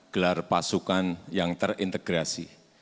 gelar pasukan yang terintegrasi